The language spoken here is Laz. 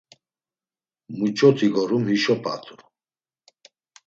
“Muç̌oti gorum hişo p̌atu!”